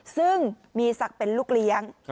ซึ่งมีศักดิ์เป็นลูกเลี้ยง